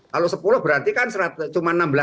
kalau sepuluh berarti kan cuma enam belas miliar mas